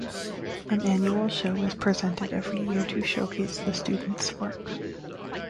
An annual show is presented every year to showcase the students' work.